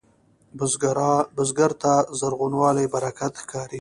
بزګر ته زرغونوالی برکت ښکاري